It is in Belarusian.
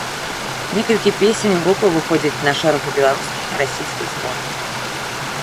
Некалькі песень групы выходзяць на шэрагу беларускіх і расійскіх зборнікаў.